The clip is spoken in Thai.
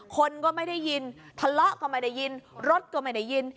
คนก็ไม่ได้ยินทะเลาะก็ไม่ได้ยินรถก็ไม่ได้ยิน